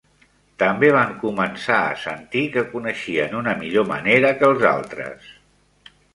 També van començar a sentir que coneixien una millor manera que els altres.